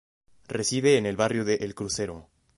Reside en el barrio de El Crucero.